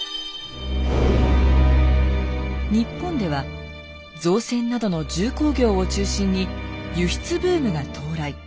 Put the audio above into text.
日本では造船などの重工業を中心に輸出ブームが到来。